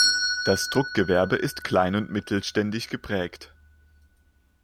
Das Druckgewerbe ist klein- und mittelständisch geprägt.